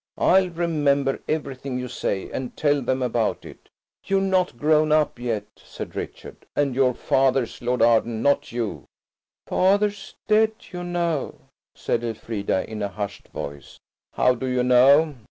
I'll remember everything you say, and tell them about it." "You're not grown up yet," said Richard, "and your father's Lord Arden, not you." "Father's dead, you know," said Elfrida, in a hushed voice. "How do you know?"